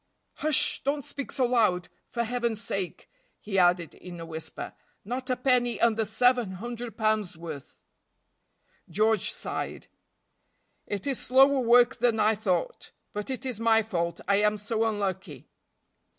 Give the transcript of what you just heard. "Hush! don't speak so loud, for Heaven's sake;" he added in a whisper, "not a penny under seven hundred pounds' worth." George sighed. "It is slower work than I thought; but it is my fault, I am so unlucky."